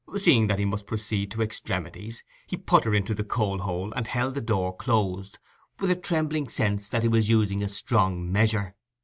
Seeing that he must proceed to extremities, he put her into the coal hole, and held the door closed, with a trembling sense that he was using a strong measure.